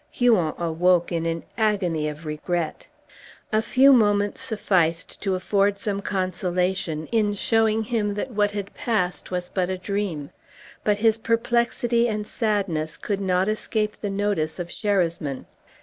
Huon awoke in an agony of regret. A few moments sufficed to afford some consolation in showing him that what had passed was but a dream; but his perplexity and sadness could not escape the notice of Sherasmin.